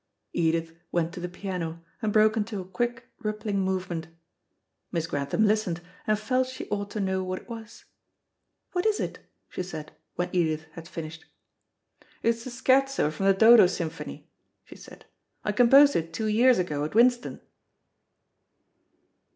Edith went to the piano, and broke into a quick, rippling movement. Miss Grantham listened, and felt she ought to know what it was. "What is it?" she said, when Edith had finished. "It is the scherzo from the 'Dodo Symphony,'" she said. "I composed it two years ago at Winston."